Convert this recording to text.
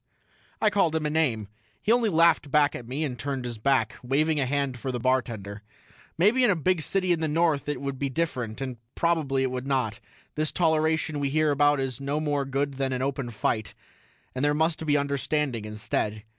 I called him a name. He only laughed back at me and turned his back, waving a hand for the bartender. Maybe in a big city in the North it would be different and probably it would not: this toleration we hear about is no more good than an open fight, and there must be understanding instead.